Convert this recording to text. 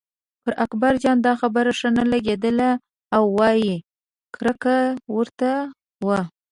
پر اکبرجان دا خبره ښه نه لګېده او یې کرکه ورته وه.